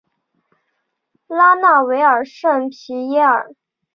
拉纳维尔圣皮耶尔。